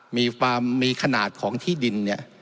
มีขนาดของที่ดินเนี่ย